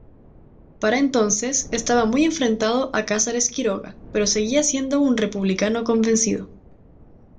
Para entonces estaba muy enfrentado a Casares Quiroga, pero seguía siendo un republicano convencido.